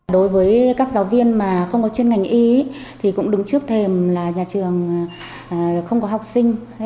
đối với các giáo viên mà không có chuyên ngành y thì cũng đứng trước thềm là nhà trường không có học sinh